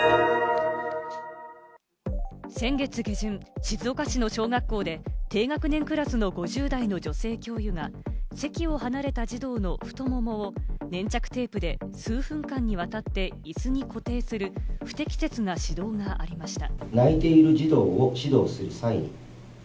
先月下旬、静岡市の小学校で低学年クラスの５０代の女性教諭が席を離れた児童の太ももを粘着テープで数分間にわたって、いすに固定する、不適切な指導がありました。